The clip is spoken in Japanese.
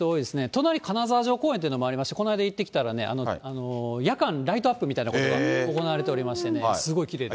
隣、金沢城公園というのもありまして、この間行ってきたらね、夜間、ライトアップみたいなことが行われていましてね、すごいきれいです。